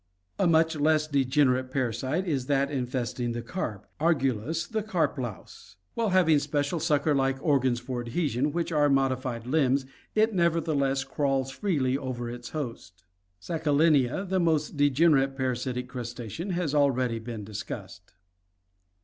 A much less degenerate parasite is that infesting the carp — Argu lus, the carp louse. While having special sucker like organs for adhesion, which are modified limbs, it nevertheless crawls freely over its host. : Crustacea (EucopepuHa). 276 ORGANIC EVOLUTION Sacctdina, the most degenerate parasitic crustacean, has already been discussed.